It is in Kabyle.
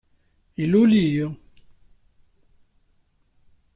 Yulel-iyi.